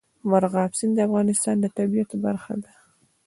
مورغاب سیند د افغانستان د طبیعت برخه ده.